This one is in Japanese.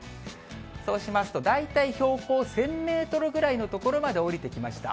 そうしますと、大体標高１０００メートルぐらいの所まで下りてきました。